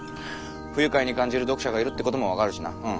不愉快に感じる読者がいるってことも分かるしなうん。